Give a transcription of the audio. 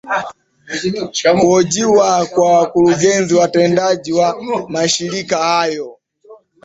kuhojiwa kwa wakurugenzi watendaji wa mashirika hayo